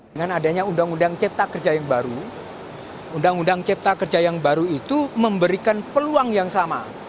dengan adanya undang undang cipta kerja yang baru undang undang cipta kerja yang baru itu memberikan peluang yang sama